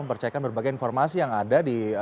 mempercayakan berbagai informasi yang ada di